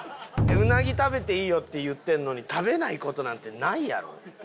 うなぎ食べていいよって言ってるのに食べない事なんてないやろ？